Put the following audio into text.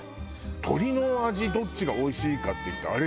鶏の味どっちがおいしいかっていってあれ